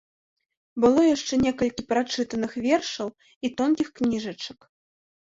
Было яшчэ некалькі прачытаных вершаў і тонкіх кніжачак.